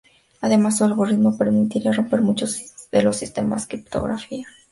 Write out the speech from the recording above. Además su algoritmo permitiría romper muchos de los sistemas de criptografía utilizados actualmente.